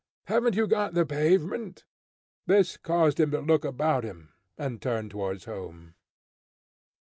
Haven't you the pavement?" This caused him to look about him, and turn towards home.